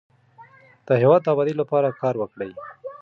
د هیواد د ابادۍ لپاره کار وکړو.